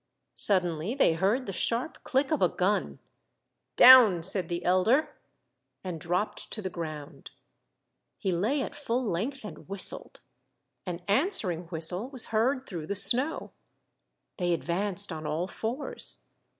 Suddenly they heard the sharp click of a gun. " Down !" said the elder, and dropped to the ground. He lay at full length, and whistled. An answering whistle was heard through the snow. They advanced on all fours.